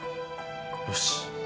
よし。